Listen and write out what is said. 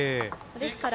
ですからね